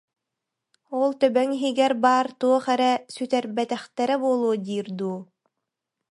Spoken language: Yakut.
Ол төбөҥ иһигэр баар туох эрэ сүтэрбэтэхтэрэ буолуо диир дуу